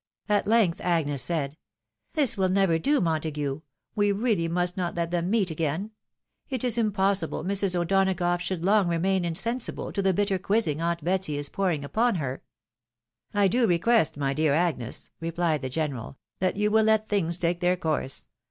At length Agnes said, " This will never do, Montague ! We really ravist not let them meet again. It is impossible Mrs. O'Donagough should long remain insensible to the bitter quizzing aunt Betsy is pouring upon her." " I do request, my dearest Agnes," replied the general, "that you will let things take their course.